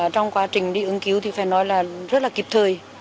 trong quá trình đi ứng cứu thì phải nói là rất là kịp thời